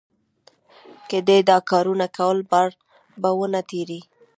که دې دا کارونه کول؛ بار به و نه تړې.